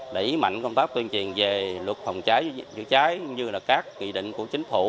để ý mạnh công tác tuyên truyền về luật phòng cháy chữa cháy như các kỳ định của chính phủ